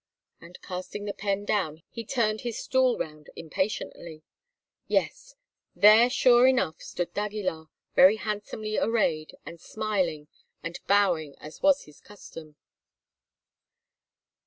And, casting the pen down, he turned his stool round impatiently. Yes! there sure enough stood d'Aguilar, very handsomely arrayed, and smiling and bowing as was his custom.